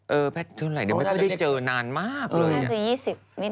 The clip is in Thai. เออแพทย์เท่าไหร่เดี๋ยวไม่ได้ได้เจอนานมากเลย